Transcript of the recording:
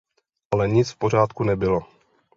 Ale nic v pořádku nebylo!